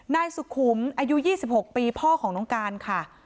นายสุขุมอายุ๒๖ปีพ่อของน้องการค่ะ